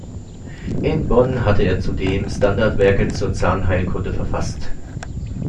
In Bonn hatte er zudem Standardwerke zur Zahnheilkunde verfasst.